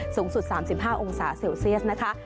สูงสุด๓๕องศาเซลเซียสนะคะ